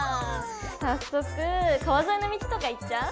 早速川沿いの道とか行っちゃう？